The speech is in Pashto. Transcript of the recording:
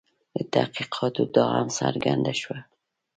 له تحقیقاتو دا هم څرګنده شوه.